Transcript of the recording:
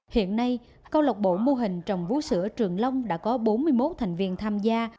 hiện nay câu lọc bộ mô hình trồng vú sữa trường long đã có bốn mươi một thành viên tham gia